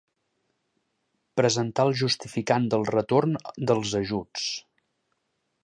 Presentar el justificant del retorn dels ajuts.